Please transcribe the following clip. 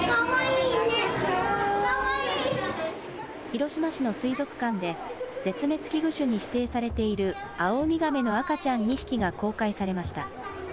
広島市の水族館で絶滅危惧種に指定されているアオウミガメの赤ちゃん２匹が公開されました。